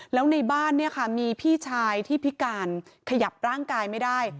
แล้วในบ้านเนี่ยค่ะมีพี่ชายที่พิการขยับร่างกายไม่ได้